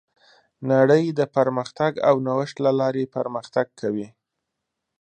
نړۍ د پرمختګ او نوښت له لارې پرمختګ کوي.